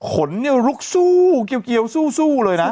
ขนรุกสู้เกียวสู้เลยนะ